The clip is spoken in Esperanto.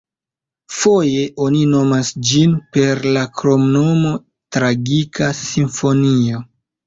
Foje oni nomas ĝin per la kromnomo „tragika simfonio“.